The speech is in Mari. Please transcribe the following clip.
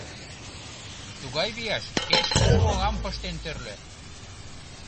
Тугай вияш, кеч кужу оҥам пыштен тӧрлӧ.